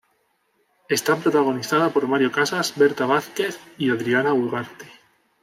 Está protagonizada por Mario Casas, Berta Vázquez y Adriana Ugarte.